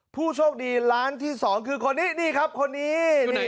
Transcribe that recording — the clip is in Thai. ผู้โชคดีล้านที่๒คือคนนี้